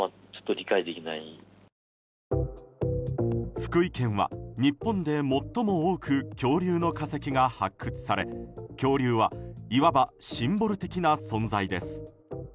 福井県は、日本で最も多く恐竜の化石が発掘され恐竜はいわばシンボル的な存在です。